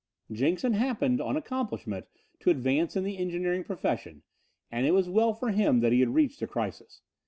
Jenks had happened on accomplishment to advance in the engineering profession, and it was well for him that he had reached a crisis.